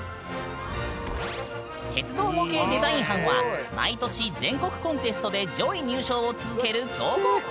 鉄道模型デザイン班は毎年全国コンテストで上位入賞を続ける強豪校。